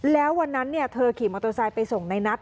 แล้ววันนั้นเธอขี่มอเตอร์ไซค์ไปส่งในนัท